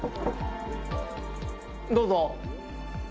・どうぞ。